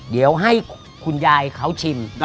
เดี๋ยวให้คุณยายเขาชิม